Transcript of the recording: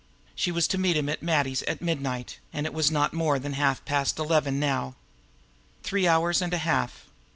She was to meet him at Matty's at midnight, and it was not more than halfpast eleven now. Three hours and a half!